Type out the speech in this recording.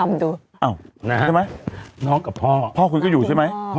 อ้าวไม่ใช่ไหมน้องกับพ่อพ่อก็อยู่ใช่ไหม